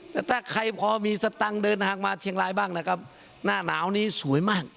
แต่ถ้าใครพอมีสตังค์เดินทางมาเชียงรายบ้างนะครับหน้าหนาวนี้สวยมาก